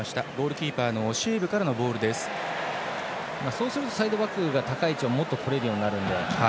そうするとサイドバックが高い位置をもっと取れるようになるので。